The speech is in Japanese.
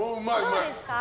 どうですか？